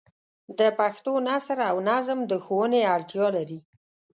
د پښتو نثر او نظم د ښوونې اړتیا لري.